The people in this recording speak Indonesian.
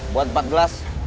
buat empat gelas